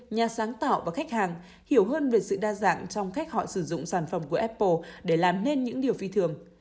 nhà sáng tạo và khách hàng hiểu hơn về sự đa dạng trong cách họ sử dụng sản phẩm của apple để làm nên những điều phi thường